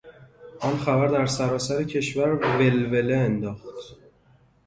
آن خبر در سرتاسر کشور ولوله انداخت.